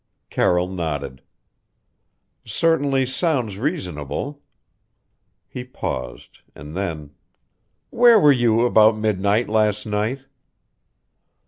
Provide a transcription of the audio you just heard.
Carroll nodded. "Certainly sounds reasonable." He paused, and then: "Where were you about midnight last night?"